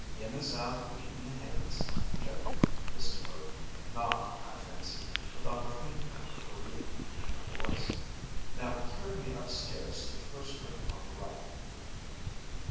"Emma's out feeding the hens," conjectured Mrs. Purdon, not, I fancied, without a faint hint of relief in her voice. "Now carry me up stairs to the first room on the right."